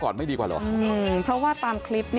ใช่ค่ะโอ้โฮดูภาพ